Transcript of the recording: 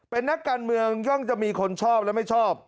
เป็นนักการเมืองย่อมจะมีคนชอบและไม่ชอบ